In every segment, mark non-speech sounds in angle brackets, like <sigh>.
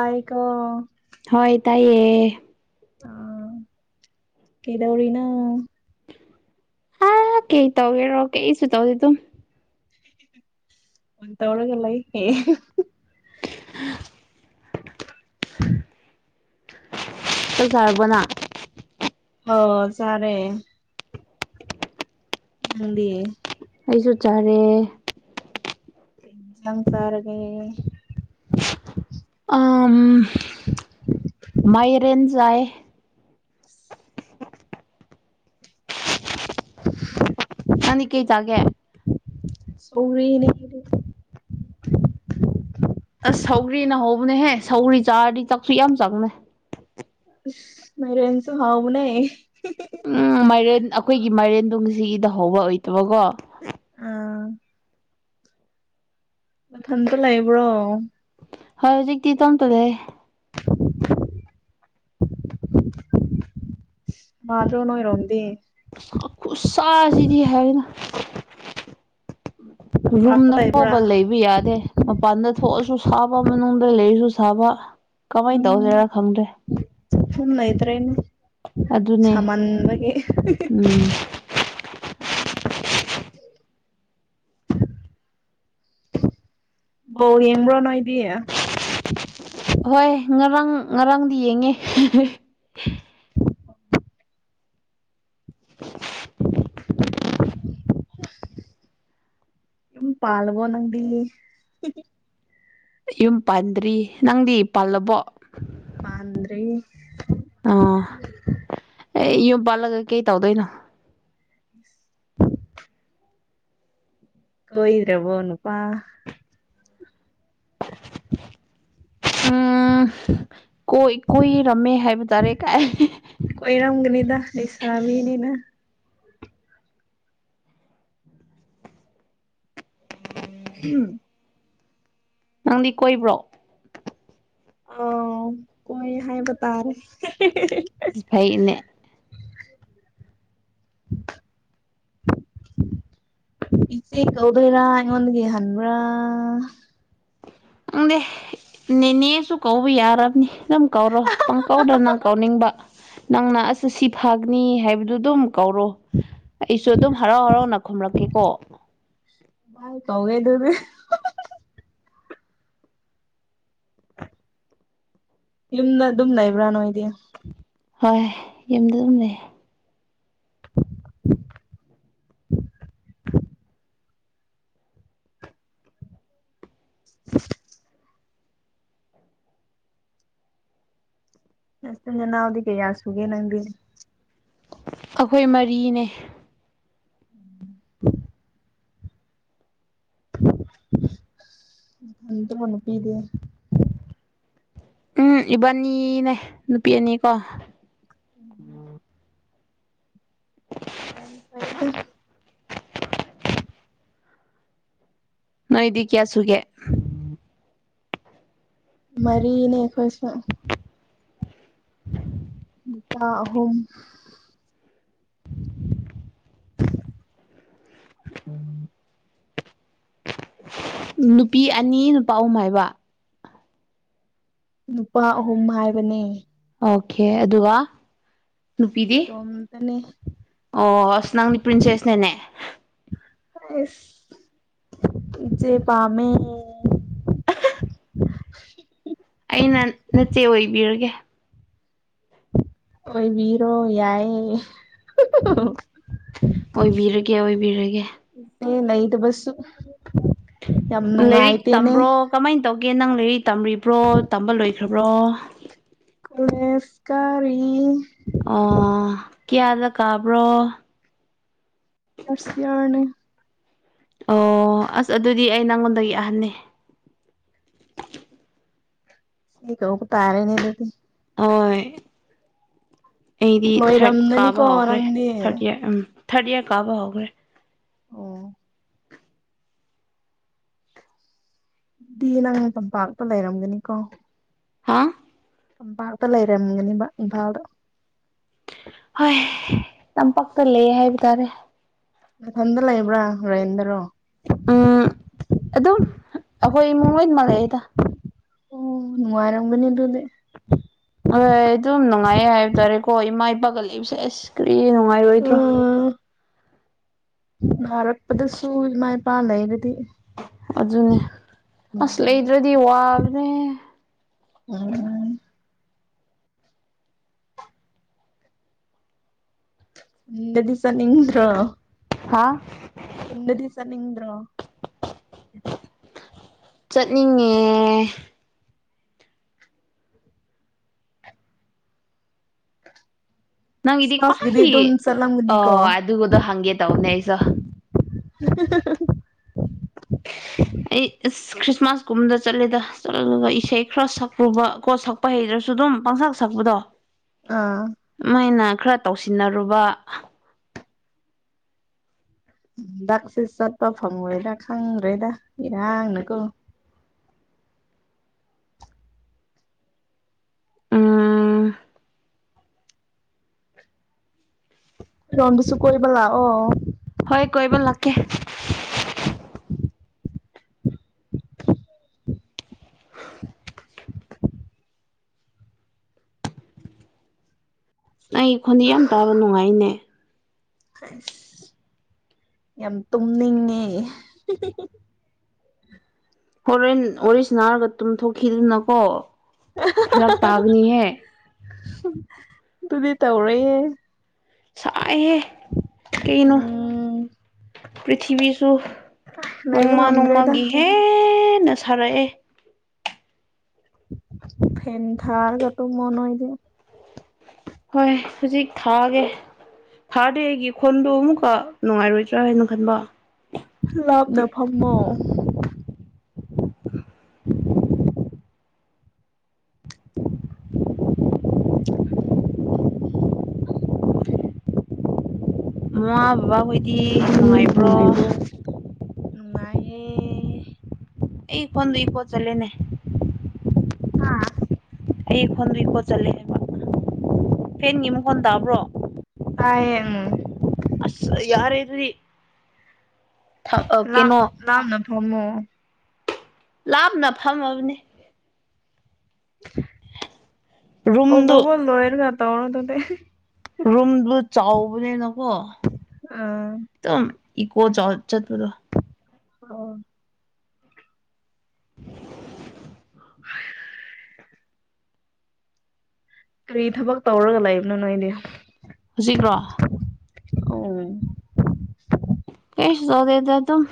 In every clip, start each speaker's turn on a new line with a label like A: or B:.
A: ꯑꯩꯀꯣ
B: ꯍꯣꯏ ꯇꯥꯏꯌꯦ
A: ꯑꯥ ꯀꯩꯗꯧꯔꯤꯅꯣ
B: ꯍꯥꯥ ꯀꯩ ꯇꯧꯒꯦꯔꯣ ꯀꯩꯁꯨꯨ ꯇꯧꯗꯦ ꯇꯨ
A: ꯑꯣꯟ ꯇꯧꯔꯒ ꯂꯩ <unintelligible>
B: <unintelligible> ꯇꯨꯝꯊꯔꯕꯣ ꯅꯪ
A: ꯍꯣ ꯆꯥꯔꯦ ꯅꯪꯗꯤ
B: ꯑꯩꯁꯨ ꯆꯥꯔꯦ
A: <unintelligible> ꯖꯥꯡ ꯆꯥꯔꯒꯦ
B: ꯑꯥꯝ ꯃꯥꯏꯔꯦꯟ ꯆꯥꯏꯌꯦ
A: <inaudible>
B: ꯌꯥꯡꯗꯤ ꯀꯩ ꯆꯥꯒꯦ
A: ꯁꯧꯒ꯭ꯔꯤꯅꯤ ꯑꯩꯈꯣꯏꯗꯤ
B: ꯁꯧꯒ꯭ꯔꯤꯅ ꯍꯧꯕꯅꯦꯍꯦ ꯁꯧꯒ꯭ꯔꯤ ꯆꯥꯔꯗꯤ ꯆꯛꯁꯨ ꯌꯥꯝ ꯆꯪꯅꯦ
A: ꯢꯁ ꯃꯩꯔꯦꯟꯁꯨ ꯍꯥꯎꯕꯅꯦ
B: ꯎꯝ ꯃꯥꯏꯔꯦꯟ ꯑꯈꯣꯏꯒꯤ ꯃꯥꯏꯔꯦꯟ ꯗꯣ ꯨꯉꯁꯤꯒꯤꯗꯣ ꯍꯧꯕ ꯑꯣꯏꯇꯕꯀꯣ
A: ꯑꯥ ꯃꯊꯟꯇ ꯂꯩꯕ꯭ꯔꯣ
B: ꯍꯣꯏ ꯍꯧꯖꯤꯛꯇꯤ ꯇꯣꯝꯇ ꯂꯩꯌꯦ <inaudible>
A: ꯃꯥꯟꯗ꯭ꯔꯣ ꯅꯣꯏꯔꯣꯝꯗꯤ
B: ꯈꯨꯁꯥ ꯈꯨꯁꯥꯁꯤꯗꯤ ꯍꯥꯏꯅ
A: ꯇꯝꯄꯥꯛꯇ
B: ꯔꯨꯝꯗ
A: ꯂꯩꯕ꯭ꯔꯥ
B: ꯐꯥꯎꯕ ꯂꯩꯕ ꯌꯥꯗꯦ ꯃꯄꯥꯟꯗ ꯊꯣꯛꯑꯁꯨ ꯁꯥꯕ ꯃꯅꯨꯡꯗ ꯂꯩꯔꯁꯨ ꯊꯥꯕ ꯀꯃꯥꯏꯟ ꯇꯧꯖꯦꯔꯥ ꯈꯪꯗ꯭ꯔꯦ
A: ꯊꯨꯝ ꯂꯩꯇ꯭ꯔꯦꯅꯦ
B: ꯑꯗꯨꯅꯦ
A: ꯁꯥꯃꯟꯕꯒꯤ
B: ꯎꯝ
A: <unintelligible> ꯕꯣꯜ ꯌꯦꯡꯕ꯭ꯔꯣ ꯅꯣꯏꯗꯤ
B: ꯍꯣꯏ ꯉꯔꯥꯡ ꯉꯔꯥꯡꯗꯤ ꯌꯦꯡꯉꯦ ꯍꯦ ꯍꯦ <unintelligible> <unintelligible>
A: ꯌꯨꯝ ꯄꯥꯜꯂꯕꯣ ꯅꯪꯗꯤ ꯍꯤ ꯍꯤ
B: ꯌꯨꯝ ꯄꯥꯟꯗ꯭ꯔꯤ ꯅꯪꯗꯤ ꯄꯜꯂꯕꯣ
A: ꯄꯟꯗ꯭ꯔꯤ
B: ꯑꯥ ꯑꯦ ꯌꯨꯝ ꯄꯜꯂꯒ ꯀꯩ ꯇꯧꯗꯣꯏꯅꯣ
A: <inaudible> ꯀꯣꯏꯗ꯭ꯔꯕꯣ ꯅꯨꯄꯥ
B: ꯎꯝ ꯀꯣꯏ ꯀꯣꯏꯔꯝꯃꯦ ꯍꯥꯏꯕ ꯇꯥꯔꯦ ꯀꯥꯏ
A: ꯅꯤꯗ ꯂꯩꯁꯥꯕꯤꯅꯤꯅ <unintelligible>
B: ꯅꯪꯗꯤ ꯀꯣꯏꯕ꯭ꯔꯣ
A: ꯑꯥꯎ ꯀꯣꯏ ꯍꯥꯏꯕ ꯇꯥꯔꯦ
B: ꯐꯩꯅꯦ <inaudible>
A: ꯏꯆꯦ ꯀꯧꯗꯣꯏꯔ ꯑꯩꯉꯣꯟꯗꯒꯤ ꯍꯟꯕ꯭ꯔ
B: ꯈꯪꯗꯦ ꯅꯦꯅꯦꯁꯨ ꯀꯧꯕ ꯌꯥꯔꯝꯅꯤ ꯑꯗꯨꯝ ꯀꯧꯔꯣ ꯄꯥꯡꯀꯧꯗ ꯅꯪ ꯀꯥꯎꯅꯤꯡꯕ ꯅꯪꯅ ꯑꯁ ꯁꯤ ꯐꯒꯅꯤ ꯍꯥꯏꯕꯗꯨ ꯑꯗꯨꯝ ꯀꯧꯔꯣ ꯑꯩꯁꯨ ꯑꯗꯨꯝ ꯍꯔꯥꯎ ꯍꯔꯥꯎꯅ ꯈꯨꯝꯂꯛꯀꯦꯀꯣ
A: ꯥꯃꯥꯏ ꯇꯧꯒꯦꯗꯨꯗꯤ ꯌꯨꯝꯗ ꯑꯗꯨꯝ ꯂꯩꯕ꯭ꯔ ꯅꯣꯏꯗꯤ
B: ꯍꯣꯏ ꯌꯨꯝꯗ ꯑꯗꯨꯝ ꯂꯩ
A: ꯅꯆꯤꯟ ꯅꯅꯥꯎꯗꯤ ꯀꯌꯥ ꯁꯨꯒꯦ ꯅꯪꯗꯤ
B: ꯑꯈꯣꯏ ꯃꯔꯤꯅꯦ
A: ꯑꯗꯨꯒ ꯅꯨꯄꯤꯗꯤ
B: ꯎꯝ ꯏꯕꯥꯅꯤꯅꯦ ꯅꯨꯄꯤ ꯑꯅꯤꯀꯣ
A: ꯌꯥꯝ ꯐꯩꯗ
B: ꯅꯣꯏꯗꯤ ꯀꯌꯥ ꯁꯨꯒꯦ
A: ꯃꯔꯤꯅꯦ ꯈꯣꯏꯁꯨ ꯅꯨꯄꯥ ꯑꯍꯨꯝ
B: ꯎꯝ ꯅꯨꯄꯤ ꯑꯅꯤ ꯅꯨꯄꯥ ꯑꯍꯨꯝ ꯍꯥꯏꯕ
A: ꯅꯨꯄꯥ ꯑꯍꯨꯝ ꯍꯥꯏꯕꯅꯦ
B: ꯑꯣꯈꯦ ꯑꯗꯨꯒ ꯅꯨꯄꯤꯗꯤ
A: ꯏꯇꯣꯝꯇꯅꯦ
B: ꯑꯣ ꯑꯁ ꯅꯪꯗꯤ ꯄ꯭ꯔꯤꯟꯁꯦꯁꯅꯤꯅꯦ
A: ꯑꯩꯁ ꯏꯆꯦ ꯄꯥꯝꯃꯦ
B: ꯑꯩꯅ ꯅꯆꯦ ꯑꯣꯏꯕꯤꯔꯒꯦ
A: ꯑꯣꯏꯕꯤꯔꯣ ꯌꯥꯏꯌꯦ <unintelligible>
B: ꯑꯣꯏꯕꯤꯔꯒꯦ ꯑꯣꯏꯕꯤꯔꯒꯦ
A: ꯑꯦ ꯂꯩꯩꯇꯕꯁꯨ <unintelligible>
B: ꯂꯥꯏꯔꯤꯛ ꯇꯝꯕ꯭ꯔꯣ ꯀꯃꯥꯏꯟ ꯇꯧ ꯒꯦ ꯅꯪ ꯂꯥꯏꯔꯤꯛ ꯇꯝꯔꯤꯕ꯭ꯔꯣ ꯇꯝꯕ ꯂꯣꯏꯈ꯭ꯔꯕ꯭ꯔꯣ
A: ꯀꯣꯂꯦꯖ ꯀꯥꯔꯤ
B: ꯑꯣ ꯀꯤꯌꯥꯗ ꯀꯥꯕ꯭ꯔꯣ
A: ꯐꯥꯔꯁ ꯏꯌ꯭ꯔꯅꯦ
B: ꯑꯣ ꯑꯁ ꯑꯗꯨꯗꯤ ꯑꯩ ꯅꯪꯉꯣꯟꯗꯒꯤ ꯑꯍꯟꯅꯦ
A: ꯏꯆꯦ ꯀꯧꯕ ꯇꯥꯔꯦꯅꯦ ꯑꯗꯨꯗꯤ
B: ꯍꯣꯏ ꯑꯩꯗꯤ ꯊꯥꯔꯠ
A: ꯂꯣꯏꯔꯝꯗꯅꯤꯀꯣ
B: ꯀꯥꯕ ꯍꯧꯈ꯭ꯔꯦ
A: ꯅꯪꯗꯤ
B: ꯊꯥꯔꯠ ꯏꯌꯔ ꯎꯝ ꯊꯥꯔꯗ ꯏꯌ꯭ꯔ ꯀꯥꯕꯥ ꯍꯧꯒ꯭ꯔꯦ
A: ꯑꯣ ꯗꯤ ꯅꯪ ꯇꯝꯄꯥꯛꯇ ꯂꯩꯔꯝꯒꯅꯤꯀꯣ
B: ꯍꯥꯥ
A: ꯇꯝꯄꯥꯛꯇ ꯂꯩꯔꯝꯒꯅꯤꯕ ꯏꯝꯐꯥꯜꯗ
B: ꯍꯣꯏ ꯇꯝꯄꯥꯛꯇ ꯂꯩ ꯍꯥꯏꯕ ꯇꯥꯔꯦ
A: ꯃꯊꯟꯗ ꯂꯩꯕ꯭ꯔꯥ ꯔꯦꯟ ꯗꯔꯣ
B: ꯎꯝ ꯑꯗꯨꯝ ꯑꯈꯣꯏ ꯏꯃꯨꯡ ꯂꯣꯏꯅꯃꯛ ꯂꯩꯌꯦꯗ
A: ꯎꯝ ꯅꯨꯡꯉꯥꯏꯔꯝꯒꯅꯤ ꯑꯗꯨꯗꯤ
B: ꯍꯣꯏ ꯑꯗꯨꯝ ꯅꯨꯡꯉꯥꯏꯌꯦ ꯍꯥꯏꯕ ꯇꯥꯔꯦꯀꯣ ꯏꯃꯥ ꯏꯄꯥꯒ ꯂꯩꯕꯁꯦ ꯑꯁ ꯀꯔꯤ ꯅꯨꯡꯉꯥꯏꯔꯣꯏꯗ꯭ꯔꯣ
A: ꯎꯝ ꯅꯥꯔꯛꯄꯗꯁꯨ ꯏꯃꯥ ꯏꯄꯥ ꯂꯩꯔꯗꯤ
B: ꯑꯗꯨꯅꯦ ꯑꯁ
A: ꯅꯨꯡꯉꯥꯏꯔꯅꯤ
B: ꯂꯩꯗ꯭ꯔꯗꯤ ꯋꯥꯕꯅꯦ
A: ꯎꯝ ꯌꯨꯝꯗꯗꯤ ꯆꯠꯅꯤꯡꯗ꯭ꯔꯣ
B: ꯍꯥꯥ
A: ꯅꯤꯡꯗ꯭ꯔꯣ
B: ꯆꯠꯅꯤꯡꯉꯦ ꯅꯪꯒꯤꯗꯤ
A: ꯈ꯭ꯔꯤꯁꯃꯥꯁꯀꯤꯗꯤ
B: ꯈ꯭ꯋꯥꯏ
A: ꯑꯗꯨꯝ ꯆꯠꯂꯝꯒꯅꯤꯀꯣ
B: ꯑꯥ ꯑꯗꯨꯒꯗꯣ ꯍꯪꯒꯦ ꯇꯧꯅꯦ ꯑꯩꯖꯨ
A: <unintelligible>
B: ꯑꯩ ꯑꯁ ꯈ꯭ꯔꯤꯁꯃꯥꯁ ꯀꯨꯝꯕꯗ ꯆꯠꯂꯦꯗ ꯆꯠꯂꯒ ꯏꯁꯩ ꯈꯔ ꯁꯛꯎꯕ ꯀꯣ ꯁꯛꯄ ꯍꯩꯗ꯭ꯔꯁꯨ ꯑꯗꯨꯝ ꯄꯪꯁꯛ ꯁꯛ
A: ꯑꯥ
B: <unintelligible> ꯑꯩꯅ ꯈꯔ ꯇꯧꯁꯤꯟꯅꯔꯨꯕ
A: ꯗꯥꯛꯁꯦ ꯆꯠꯄ ꯐꯪꯉꯣꯏꯗ ꯈꯪꯈ꯭ꯔꯦꯗ ꯏꯔꯥꯡꯅꯀꯣ
B: ꯎꯝ
A: <unintelligible>
B: ꯍꯣꯏ ꯀꯣꯏꯕ ꯂꯥꯛꯀꯦ ꯑꯩ ꯈꯣꯟꯗꯤ ꯌꯥꯝ ꯇꯥꯕ ꯅꯨꯡꯉꯥꯏꯅꯦ
A: ꯑꯁ ꯌꯥꯝ ꯇꯨꯝꯅꯤꯡꯉꯦ
B: ꯍꯣꯔꯦꯟ ꯋꯥꯔꯤꯁꯤ ꯅꯥꯔꯒ ꯇꯨꯝ ꯊꯣꯛꯈꯤꯗꯅꯀꯣ ꯐꯔꯛ ꯇꯥꯕꯅꯤꯍꯦ
A: ꯑꯗꯨꯗꯤ ꯇꯧꯔꯣꯏꯌꯦ
B: ꯁꯥꯏꯍꯦ ꯀꯩꯅꯣ
A: ꯎꯝ
B: ꯄ꯭ꯔꯤꯊꯤꯕꯤꯁꯨ
A: ꯂꯩꯕ
B: ꯅꯣꯡꯃꯥ
A: ꯉꯝꯗ꯭ꯔꯦꯗ
B: ꯅꯣꯡꯃꯒꯤ ꯍꯦꯟꯅ ꯁꯥꯔꯛꯑꯦ
A: ꯐꯦꯟ ꯊꯥꯔꯒ ꯇꯨꯝꯃꯣꯅꯣꯏꯗꯤ
B: ꯍꯣꯏ ꯍꯧꯖꯤꯛ ꯊꯥꯒꯦ ꯊꯥꯔꯗꯦ ꯑꯩꯒꯤ ꯈꯣꯟꯗꯣ ꯑꯃꯨꯛꯀ ꯅꯨꯡꯉꯥꯏꯔꯣꯏꯗ꯭ꯔꯥ ꯍꯥꯏꯅ ꯈꯟꯕ
A: ꯂꯥꯞꯅ ꯐꯝꯃꯣ
B: ꯃꯃꯥ ꯕꯕꯥꯍꯣꯏꯗꯤ ꯅꯨꯡꯉꯥꯏꯕ꯭ꯔꯣ
A: ꯅꯨꯡꯉꯥꯏꯌꯦ
B: ꯑꯩ ꯐꯣꯟ <unintelligible> ꯆꯠꯂꯦꯅꯦ
A: ꯑꯥ
B: ꯑꯩ ꯐꯣꯟꯗꯩ ꯏꯀꯣ ꯆꯠꯂꯦ ꯍꯥꯏꯕ ꯐꯦꯟꯒꯤ ꯃꯈꯣꯟ ꯇꯥꯕ꯭ꯔꯣ
A: ꯇꯥꯏꯌꯦ
B: ꯑꯁ ꯌꯥꯔꯦ ꯑꯗꯨꯗꯤ
A: ꯂꯥꯞ
B: ꯀꯩꯅꯣ
A: ꯂꯥꯞꯅ ꯐꯝꯃꯣ
B: ꯂꯥꯞꯅ ꯐꯝꯃꯣ <unintelligible> ꯔꯨꯝꯗꯨ
A: <unintelligible>
B: ꯔꯨꯝꯗꯨ ꯆꯥꯎꯕꯅꯦꯅꯀꯣ
A: ꯑꯥ
B: ꯑꯗꯨꯝ ꯀꯣ ꯆꯠ ꯆꯠꯄꯗꯣ
A: ꯑꯣ
B: <inaudible>
A: ꯀꯔꯤ ꯊꯕꯛ ꯇꯧꯔꯒ ꯂꯩꯕꯅꯣ ꯅꯣꯏꯗꯤ
B: ꯍꯧꯖꯤꯛꯔꯣ
A: ꯑꯣ
B: <unintelligible> ꯑꯗꯨꯝ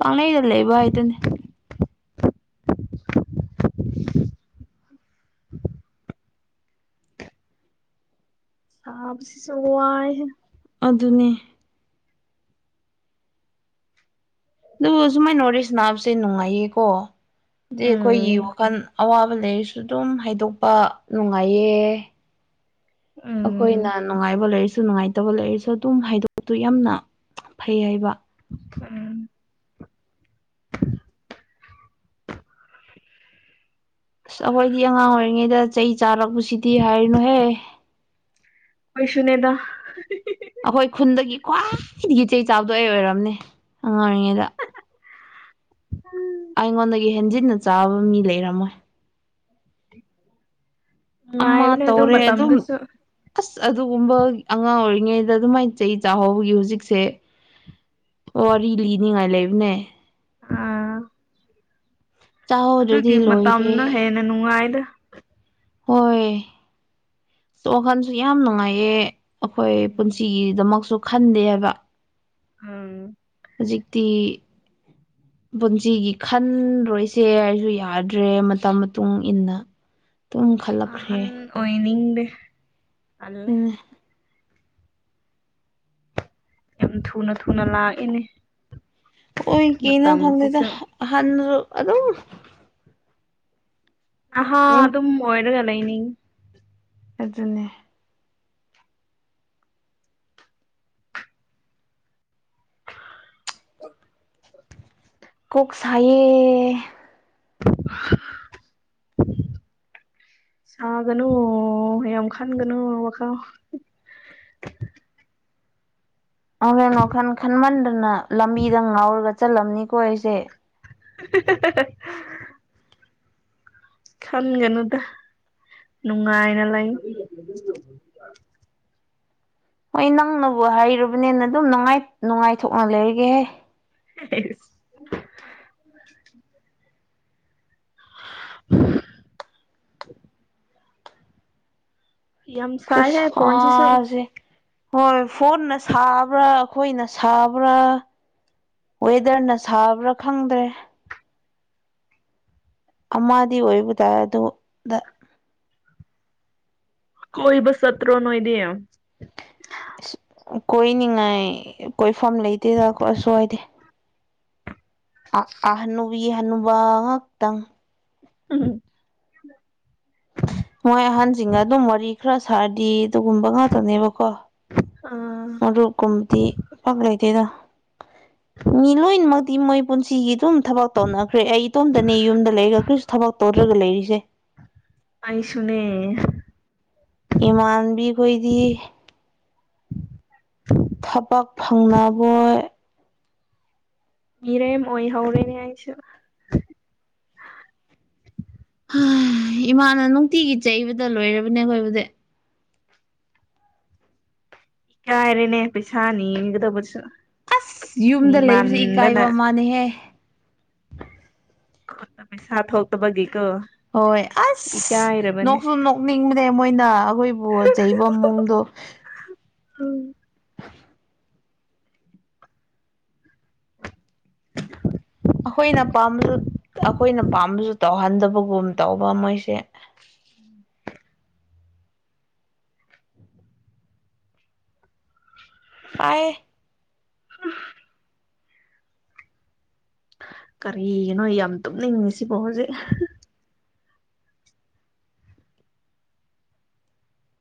B: ꯄꯪꯂꯩꯗ ꯂꯩꯕ ꯍꯥꯏꯗꯨꯅꯦ
A: <unintelligible> ꯋꯥꯏꯍꯦ
B: ꯑꯗꯨꯅꯤ ꯑꯗꯨ ꯁꯨꯃꯥꯏꯅ <unintelligible> ꯅꯥꯕꯁꯦ ꯅꯨꯡꯉꯥꯏꯌꯦꯀꯣ ꯑꯗꯤ ꯑꯩꯈꯣꯏꯒꯤ
A: ꯎꯝ
B: ꯋꯥꯈꯜ ꯑꯋꯥꯕ ꯂꯩꯔꯁꯨ ꯑꯗꯨꯝ ꯍꯥꯏꯗꯣꯛꯄ ꯅꯨꯡꯉꯥꯏꯌꯦ ꯑꯩꯈꯣꯏꯅ
A: ꯎꯝ
B: ꯅꯨꯡꯉꯥꯏꯕ ꯂꯩꯔꯤꯁꯦ ꯑꯩꯁꯨ ꯅꯨꯡꯉꯥꯏꯇꯕ ꯂꯩꯔꯁꯨ ꯑꯗꯨꯝ ꯍꯥꯏꯗꯣꯛꯄ ꯌꯥꯝꯅ ꯐꯩ ꯍꯥꯏꯕ
A: ꯎꯝ
B: ꯑꯁ ꯑꯩꯈꯣꯏꯗꯤ ꯑꯉꯥꯡ ꯑꯣꯏꯔꯤꯉꯩꯗ ꯆꯩ ꯆꯥꯔꯛꯄꯁꯤꯗꯤ ꯍꯥꯏꯔꯤꯅꯨꯍꯦ
A: ꯑꯩꯈꯣꯏꯁꯨꯅꯦꯗ
B: ꯑꯩꯈꯣꯏ ꯈꯨꯟꯗꯒꯤ ꯈ꯭ꯋꯥꯏꯗꯒꯤ ꯆꯩ ꯆꯥꯗꯣ ꯑꯩ ꯑꯣꯏꯔꯝꯅꯦ ꯑꯉꯥꯡ ꯑꯣꯏꯔꯤꯉꯩꯗ
A: ꯎ
B: ꯑꯩꯉꯣꯟꯗꯒꯤ ꯍꯦꯟꯖꯤꯟꯅ ꯆꯥꯕ ꯃꯤ ꯂꯩꯔꯝꯃꯣꯏ ꯑꯃꯥ
A: ꯅꯨꯡꯉꯥꯏꯕꯅꯦ ꯑꯗꯨ
B: ꯇꯧꯔꯦ ꯑꯗꯨꯝ
A: ꯃꯇꯝꯗꯨꯁꯨ
B: ꯑꯁ ꯑꯗꯨꯒꯨꯝꯕ ꯑꯉꯥꯡ ꯑꯣꯏ ꯔꯤꯉꯩꯗ ꯑꯗꯨꯃꯥꯏꯟ ꯆꯩ ꯆꯥꯍꯧꯕꯒꯤ ꯍꯧꯖꯤꯛꯁꯦ ꯋꯥꯔꯤ ꯂꯤꯅꯤꯉꯥꯏ ꯂꯩꯕꯅꯦ
A: ꯎꯝ
B: ꯆꯥꯍꯧꯗ꯭ꯔꯗꯤ
A: ꯑꯗꯨꯒꯤ
B: ꯂꯣꯏꯔꯦ
A: ꯃꯇꯝꯅ ꯍꯦꯟꯅ ꯅꯨꯡꯉꯥꯏꯗ
B: ꯍꯣꯏ ꯋꯥꯈꯜꯁꯨ ꯌꯥꯝ ꯅꯨꯡꯉꯥꯏꯌꯦ ꯑꯩꯈꯣꯏ
A: ꯎꯝ
B: ꯄꯨꯟꯁꯤꯒꯤꯗꯃꯛꯁꯨ ꯈꯟꯗꯦ ꯍꯥꯏꯕ
A: ꯎꯝ
B: ꯖꯤꯛꯇꯤ ꯄꯨꯟꯁꯤꯒꯤ ꯈꯟꯔꯣꯏꯁꯦ ꯍꯩꯁꯨ ꯌꯥꯗ꯭ꯔꯦ ꯃꯇꯝ ꯃꯇꯨꯡ ꯏꯟꯅ ꯇꯨꯝ ꯈꯂꯛꯈ꯭ꯔꯦ
A: ꯑꯍꯟ ꯑꯣꯏꯅꯤꯡꯗꯦ ꯇꯜꯂꯦ ꯌꯥꯝ ꯊꯨꯅ ꯊꯨꯅ ꯂꯥꯛꯑꯦꯅꯦ
B: ꯑꯣꯏ ꯀꯤꯅꯣ ꯈꯪꯗꯦꯗ ꯑꯍꯥꯟꯗꯁꯨ ꯑꯗꯨꯝ
A: ꯅꯍꯥꯥ
B: ꯎꯝ
A: ꯑꯗꯨꯝ ꯑꯣꯏꯔꯒ ꯂꯩꯅꯤꯡꯉꯤ
B: ꯑꯗꯨꯅꯦ ꯀꯣꯛ ꯁꯥꯏꯌꯦ
A: <inaudible> ꯁꯥꯒꯅꯨ ꯌꯥꯝ ꯈꯟꯒꯅꯨ ꯋꯥꯈꯜ
B: ꯑꯥꯎꯍꯦ ꯋꯥꯈꯟ ꯈꯟꯃꯟꯗꯅ ꯂꯝꯕꯤꯗ ꯉꯥꯎꯔꯒ ꯆꯠꯂꯝꯅꯤꯀꯣ ꯑꯩꯁꯦ
A: <unintelligible> ꯈꯟꯒꯅꯨꯗ ꯅꯨꯡꯉꯥꯏꯅ ꯂꯩꯎ
B: ꯍꯣꯏ ꯅꯪꯅꯕꯨ ꯍꯥꯏꯔꯕꯅꯦꯅ ꯑꯗꯨꯝ ꯅꯨꯡꯉꯥꯏ ꯅꯨꯡꯉꯥꯏꯊꯣꯛꯅ ꯂꯩꯔꯒꯦꯍꯦ
A: <unintelligible> <inaudible> ꯌꯥꯝ ꯁꯥꯏꯍꯦ ꯐꯣꯟꯁꯤꯁꯨ
B: ꯈꯨꯁꯁꯥꯖꯦ ꯍꯣꯏ ꯐꯣꯟꯅ ꯁꯥꯕ꯭ꯔꯥ ꯑꯩꯈꯣꯏꯅ ꯁꯥꯕ꯭ꯔꯥ ꯋꯦꯗꯔꯅ ꯁꯥꯕ꯭ꯔꯥ ꯈꯪꯗꯦ ꯑꯃꯗꯤ ꯑꯣꯏꯕꯗꯥꯏ ꯑꯗꯨꯗ
A: ꯀꯣꯏꯕ ꯆꯠꯇ꯭ꯔꯣ ꯅꯣꯏꯗꯤ
B: ꯑꯥ ꯀꯣꯏꯅꯤꯡꯉꯥꯏ ꯀꯣꯏꯐꯝ ꯂꯩꯇꯦꯗ ꯑꯈꯣꯏ ꯁ꯭ꯋꯥꯏꯗꯤ ꯑꯥ ꯑꯥ ꯍꯅꯨꯕꯤꯒꯤ ꯍꯅꯨꯕꯥ ꯉꯛꯇꯪ
A: <unintelligible>
B: ꯃꯣꯏ ꯑꯍꯟꯁꯤꯡꯒ ꯑꯗꯨꯝ ꯋꯥꯔꯤ ꯈꯔ ꯁꯥꯔꯗꯤ ꯑꯗꯨꯒꯨꯝꯕ ꯉꯥꯛꯇꯅꯦꯕꯀꯣ
A: ꯑꯥ
B: ꯃꯔꯨꯞꯀꯨꯝꯕꯗꯤ ꯄꯝ ꯂꯩꯇꯦꯗ ꯃꯤ ꯂꯣꯏꯅꯃꯛ ꯃꯣꯏ ꯄꯨꯟꯁꯤꯒꯤ ꯑꯗꯨꯝ ꯊꯕꯛ ꯇꯧꯅꯈ꯭ꯔꯦ ꯑꯩ ꯏꯇꯣꯝꯇꯅꯦ ꯌꯨꯝꯗ ꯂꯩꯔꯒ ꯀꯔꯤꯁꯨ ꯊꯕꯛ ꯇꯧ ꯗ꯭ꯔꯒ ꯂꯩꯔꯤꯁꯦ
A: ꯑꯩꯁꯨꯨꯅꯦ
B: ꯏꯃꯥꯟꯕꯤ ꯈꯣꯏꯗꯤ ꯐꯪꯅꯕꯣꯏ
A: ꯃꯤꯔꯦꯝ ꯑꯣꯏꯍꯧꯔꯦ ꯑꯩꯁꯨ
B: <inaudible> ꯏꯃꯥꯅ ꯅꯨꯡꯇꯤꯒꯤ ꯆꯩꯕꯗ ꯂꯣꯏꯔꯕꯅꯦ ꯑꯩꯈꯣꯏꯕꯨꯗꯤ
A: ꯏꯀꯥꯏꯔꯅꯦ ꯄꯩꯁꯥ ꯅꯤꯒꯗꯕꯁꯨ
B: ꯌꯨꯝꯗ ꯂꯩꯕꯁꯦ ꯏꯀꯥꯏꯕ ꯃꯥꯥꯟꯅꯦꯍꯦ
A: ꯄꯩꯁꯥ ꯊꯣꯛꯇꯕꯒꯤ
B: ꯍꯣꯏ ꯑꯁ ꯅꯣꯛꯁꯨ ꯅꯣꯛꯅꯤꯡꯕꯅꯦ ꯃꯣꯏꯅ ꯑꯩꯈꯣꯏꯕꯨ ꯆꯩꯕ ꯃꯑꯣꯡꯗꯣ <inaudible>
A: ꯎꯝ
B: <inaudible> <inaudible> ꯑꯩꯈꯣꯏꯅ ꯄꯥꯝꯕꯁꯨ ꯑꯩꯈꯣꯏꯅ ꯄꯥꯝꯕꯁꯨ ꯇꯧꯍꯟꯗꯕꯒꯨꯝ ꯇꯧꯕ ꯃꯣꯏꯁꯦ
A: ꯎꯝ
B: ꯁꯥꯏꯌꯦ
A: <unintelligible> ꯀꯔꯤꯒꯤꯅꯣ ꯌꯥꯝ ꯇꯨꯝꯅꯤꯡꯉꯤ ꯁꯤꯕꯣ ꯍꯧꯖꯤꯛ